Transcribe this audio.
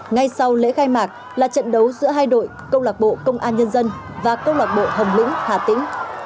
ngay sau lễ khai mạc là trận đấu giữa hai đội công lạc bộ công an nhân dân và câu lạc bộ hồng lĩnh hà tĩnh